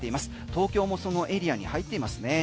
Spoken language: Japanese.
東京もそのエリアに入っていますね。